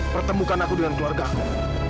pertemukan aku dengan keluargaku